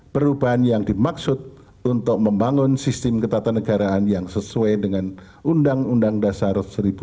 perubahan yang dimaksud untuk membangun sistem ketatanegaraan yang sesuai dengan undang undang dasar seribu sembilan ratus empat puluh lima